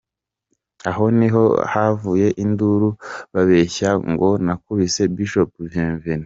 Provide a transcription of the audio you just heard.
Aho ni ho havuye induru bababeshya ngo nakubise Bishop Bienvenue.